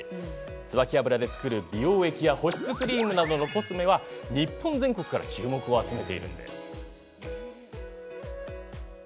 ツバキ油で作る美容液や保湿クリームなどのコスメは日本全国から注目を集めているんです。